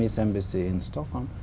đồ chơi và sản phẩm